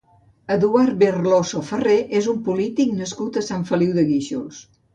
Eduard Berloso Ferrer és un polític nascut a Sant Feliu de Guíxols.